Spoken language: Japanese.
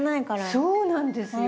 そうなんですよ。